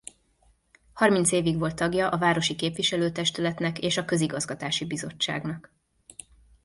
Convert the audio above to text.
Harminc évig volt tagja a városi képviselőtestületnek és a közigazgatási bizottságnak.